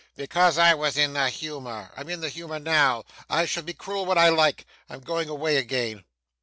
'Because I was in the humour. I'm in the humour now. I shall be cruel when I like. I'm going away again.